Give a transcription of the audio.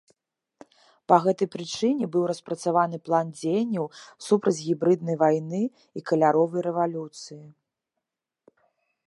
Па гэтай прычыне быў распрацаваны план дзеянняў супраць гібрыднай вайны і каляровай рэвалюцыі.